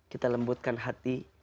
kita lembutkan hati